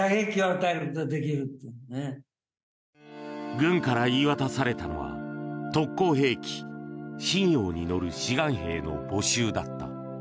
軍から言い渡されたのは特攻兵器「震洋」に乗る志願兵の募集だった。